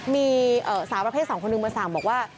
มีสาวประเภท๒คนหนึ่งมาสั่งบอกว่า